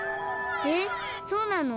えっそうなの？